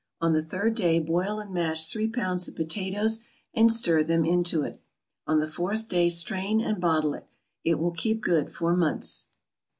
On the third day boil and mash three pounds of potatoes, and stir them into it. On the fourth day strain and bottle it; it will keep good for months.